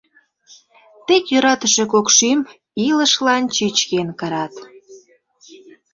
Тек йӧратыше кок шӱм илышлан чӱчкен кырат.